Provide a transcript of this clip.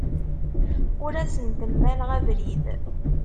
Ur asent-mmaleɣ abrid.